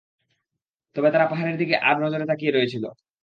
তবে তারা পাহাড়ের দিকে আড় নজরে তাকিয়ে রয়েছিল।